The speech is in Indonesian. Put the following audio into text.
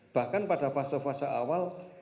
bahkan pada fase fase awal